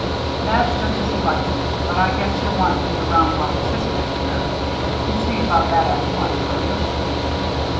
"That's just as he likes. But I guess he'll want to be around while his sister is here. You see about that after lunch, will you?"